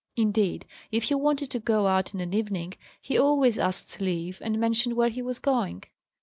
Indeed, if he wanted to go out in an evening, he always asked leave, and mentioned where he was going.